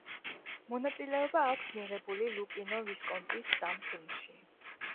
მონაწილეობა აქვს მიღებული ლუკინო ვისკონტის სამ ფილმში.